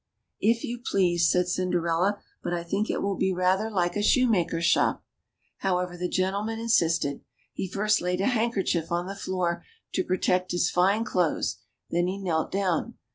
^^If you please," said Cinderella; ^^but I think it will be rather like a shoemaker's shop." However, the gen tleman insisted ; he first laid a handkerchief on the floor, to protect his fine clothes, then he knelt down.